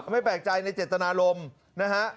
ไม่แปลกใจในเจตนารมณ์นะฮะ